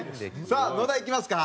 さあ野田いきますか。